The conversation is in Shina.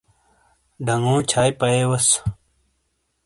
ڈنگو چھائی پَئیے وس۔